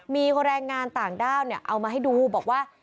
มีคนแรงงานต่างด้าวเอามาให้ดูบอกว่า